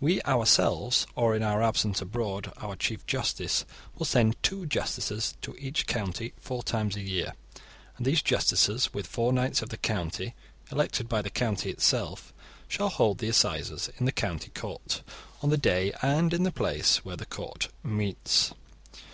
We ourselves, or in our absence abroad our chief justice, will send two justices to each county four times a year, and these justices, with four knights of the county elected by the county itself, shall hold the assizes in the county court, on the day and in the place where the court meets.